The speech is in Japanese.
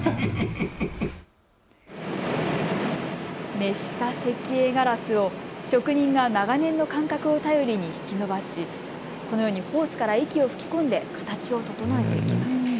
熱した石英ガラスを職人が長年の感覚を頼りに引き伸ばし、このようにホースから息を吹き込んで形を整えていきます。